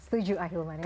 setuju ahilman ya